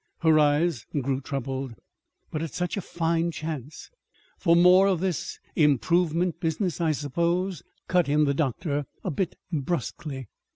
Her eyes grew troubled. "But it's such a fine chance " "For more of this 'improvement' business, I suppose," cut in the doctor, a bit brusquely.